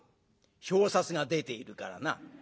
表札が出ているからな。